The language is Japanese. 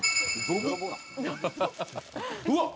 どう？